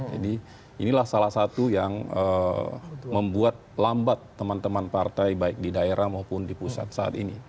jadi inilah salah satu yang membuat lambat teman teman partai baik di daerah maupun di pusat saat ini